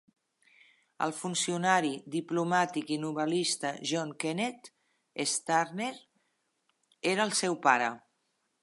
El funcionari, diplomàtic i novel·lista John Kennett Starnes era el seu pare.